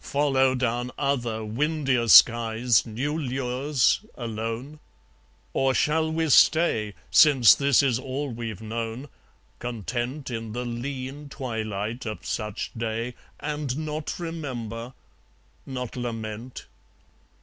Follow down other windier skies New lures, alone? Or shall we stay, Since this is all we've known, content In the lean twilight of such day, And not remember, not lament?